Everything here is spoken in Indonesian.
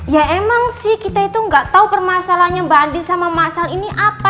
ya emang sih kita itu gak tahu permasalahnya mbak andin sama masal ini apa